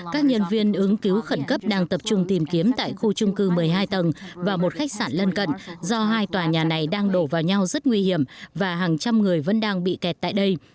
các nhân viên ứng cứu khẩn cấp đang tập trung tìm kiếm tại khu trung cư một mươi hai tầng và một khách sạn lân cận do hai tòa nhà này đang đổ vào nhau rất nguy hiểm và hàng trăm người vẫn đang bị kẹt tại đây